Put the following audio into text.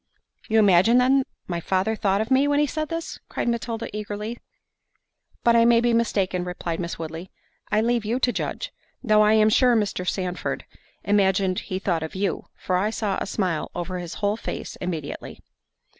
"You imagine, then, my father thought of me, when he said this?" cried Matilda eagerly. "But I may be mistaken," replied Miss Woodley. "I leave you to judge. Though I am sure Mr. Sandford imagined he thought of you, for I saw a smile over his whole face immediately."